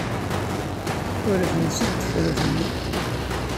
Ur temsid tefrut-nni.